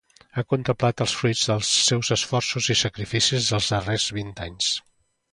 Ha contemplat els fruits dels seus esforços i sacrificis dels darrers vint anys.